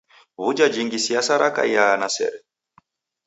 W'uja jingi siasa rakaiaa na sere?